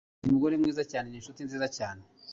Ufite umugore mwiza cyane ninshuti nziza cyane.